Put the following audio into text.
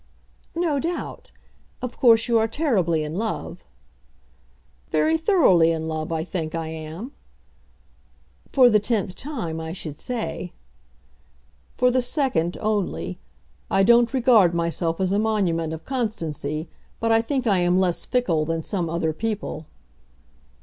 "No doubt! Of course you are terribly in love." "Very thoroughly in love, I think, I am." "For the tenth time, I should say." "For the second only. I don't regard myself as a monument of constancy, but I think I am less fickle than some other people."